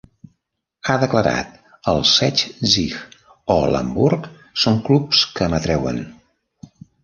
Ha declarat: "El Sechzig o l'Hamburg són clubs que m'atreuen".